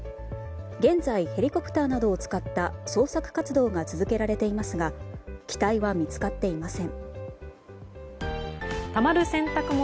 現在、ヘリコプターなどを使った捜索活動が続けられていますが機体は見つかっていません。